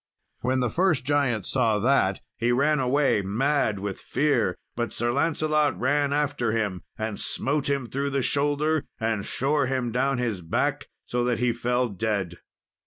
When the first giant saw that, he ran away mad with fear; but Sir Lancelot ran after him, and smote him through the shoulder, and shore him down his back, so that he fell dead.